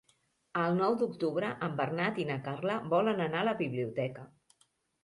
El nou d'octubre en Bernat i na Carla volen anar a la biblioteca.